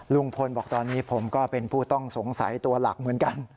ลุงพลบอกตอนนี้ผมก็เป็นผู้ต้องสงสัยตัวหลักเหมือนกัน